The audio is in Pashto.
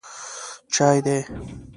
_چای دی؟